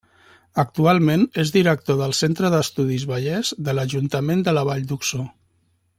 Actualment és director del Centre d'Estudis Vallers de l'ajuntament de la Vall d'Uixó.